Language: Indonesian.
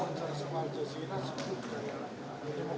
mungkin ada beberapa aspek yang harus dikembalikan